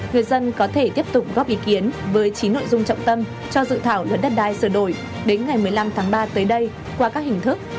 người dân có thể tiếp tục góp ý kiến với chín nội dung trọng tâm cho dự thảo lớn đất đai sửa đổi đến ngày một mươi năm tháng ba tới đây qua các hình thức gồm góp ý trực tiếp